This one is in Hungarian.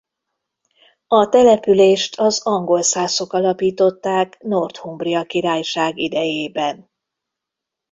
A települést az angolszászok alapították Northumbria királyság idejében.